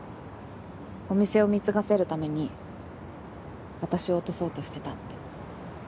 お店を貢がせるために私を落とそうとしてたって。